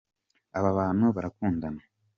Aba bantu barakundana.